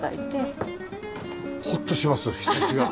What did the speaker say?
ホッとしますひさしが。